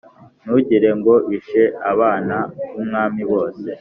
ntugire ngo bishe abana b’umwami bose